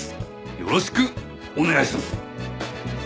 よろしくお願いします！